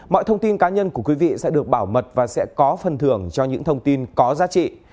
mọi thông tin cá nhân của quý vị sẽ được bảo mật và sẽ có phần thưởng cho những thông tin có giá trị